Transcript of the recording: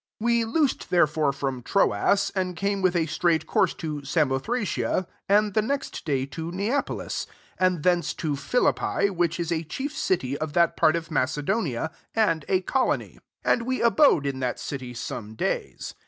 1 1 We loosed therefore from Troas, and came with a straight course to Samothracia, and the next day to Neapolis; 12 and thence to Philippi, which is a chief city [of that part] of Macedonia, and a colony* And we abode in that city somedays.